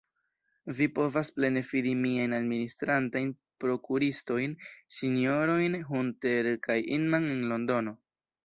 Vi povas plene fidi miajn administrantajn prokuristojn, sinjorojn Hunter kaj Inman en Londono.